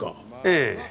ええ。